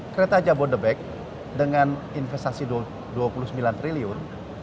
kereta jabodetabek dengan investasi dua puluh sembilan triliun